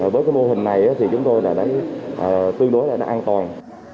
với mô hình này thì chúng tôi tương đối đã an toàn